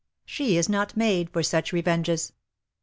She is not made for such revenges.